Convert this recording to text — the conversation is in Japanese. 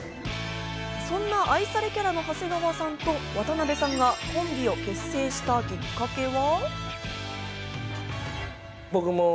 そんな愛されキャラの長谷川さんと渡辺さんがコンビを結成したきっかけは？